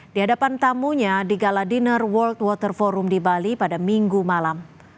di hadapan tamunya di gala dinner world water forum di bali pada minggu malam